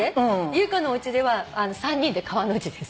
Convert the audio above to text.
優香のおうちでは３人で川の字です。